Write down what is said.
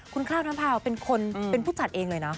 คุณข้าวน้ำพาวเป็นคนเป็นผู้จัดเองเลยนะ